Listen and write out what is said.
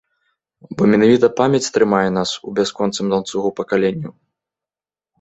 Бо менавіта памяць трымае нас у бясконцым ланцугу пакаленняў.